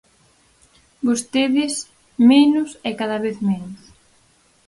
Vostedes, menos e cada vez menos.